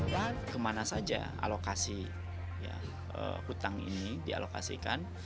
dan kemana saja alokasi utang ini dialokasikan